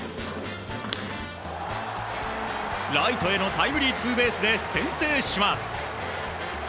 ライトへのタイムリーツーベースで先制します。